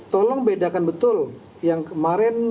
tolong bedakan betul yang kemarin